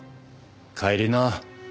帰りな。